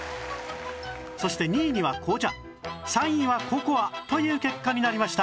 そして２位には紅茶３位はココアという結果になりました